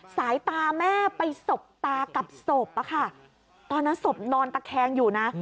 สายตาแม่ไปสบตากับศพอะค่ะตอนนั้นศพนอนตะแคงอยู่นะ